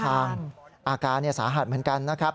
อาการสาหัสเหมือนกันนะครับ